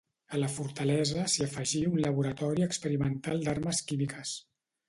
A la fortalesa s'hi afegí un laboratori experimental d'armes químiques.